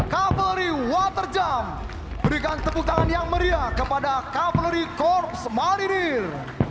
tiga ratus dua puluh satu cavalry water jump berikan tepuk tangan yang meriah kepada cavalry corps marinir